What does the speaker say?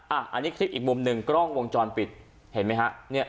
อันนี้คลิปอีกมุมหนึ่งกล้องวงจรปิดเห็นไหมฮะ